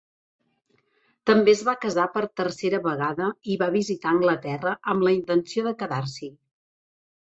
També es va casar per tercera vegada i va visitar Anglaterra amb la intenció de quedar-s'hi.